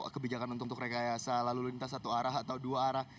kebijakan untuk rekayasa lalu lintas satu arah atau dua arah